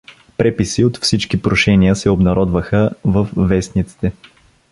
Преписи от всичките прошения се обнародваха във вестниците.